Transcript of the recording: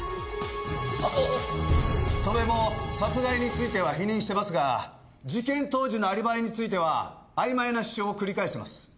戸辺も殺害については否認してますが事件当時のアリバイについてはあいまいな主張を繰り返してます。